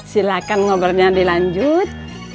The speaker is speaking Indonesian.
silahkan ngobrolnya dilanjut